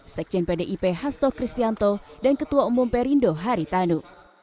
sekjen pdip hasto kristianto dan ketua umum perindo haritanu